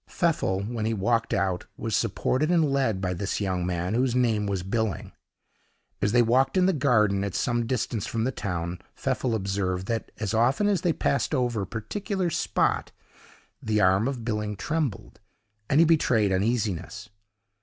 Pfeffel, when he walked out, was supported and led by this young man, whose name was Billing. As they walked in the garden, at some distance from the town, Pfeffel observed, that as often as they passed over a particular spot, the arm of Billing trembled, and he betrayed uneasiness.